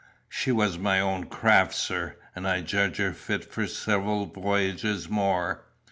"She was my own craft, sir, and I judged her fit for several voyages more.